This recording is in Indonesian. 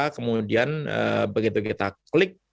kemudian begitu kita klik